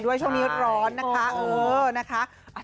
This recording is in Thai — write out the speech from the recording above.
ด้วยช่วงนี้ร้อนนะคะ